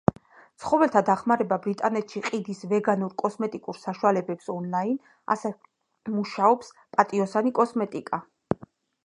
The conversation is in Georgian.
ცხოველთა დახმარება ბრიტანეთში ყიდის ვეგანურ კოსმეტიკურ საშუალებებს ონლაინ, ასევე მუშაობს პატიოსანი კოსმეტიკა.